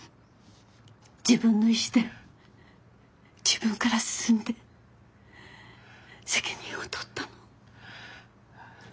自分の意志で自分から進んで責任を取ったの。